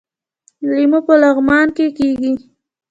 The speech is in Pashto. لیمو په لغمان کې کیږي